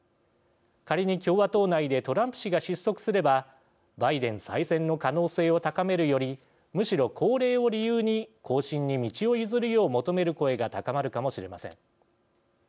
仮に共和党内でトランプ氏が失速すればバイデン再選の可能性を高めるよりむしろ高齢を理由に後進に道を譲るよう求める声が高まるかもしれません。